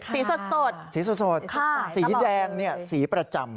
สีสดสดสีสดสดสีแดงเนี่ยสีประจำ